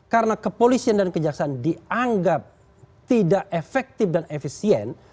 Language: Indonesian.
karena kepolisian dan kejaksaan dianggap tidak efektif dan efisien